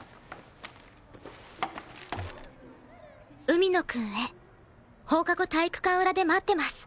「海野君へ放課後体育館裏で待ってます」